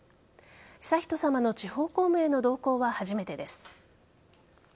悠仁さまの地方公務への同行は初めてです。